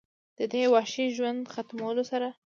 د دې وحشي ژوند ختمولو لره